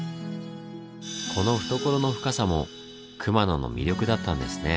この懐の深さも熊野の魅力だったんですねぇ。